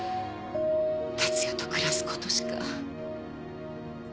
達也と暮らすことしか。